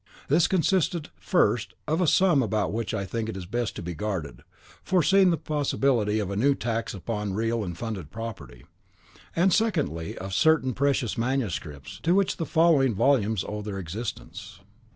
This consisted, first, of a sum about which I think it best to be guarded, foreseeing the possibility of a new tax upon real and funded property; and, secondly, of certain precious manuscripts, to which the following volumes owe their existence.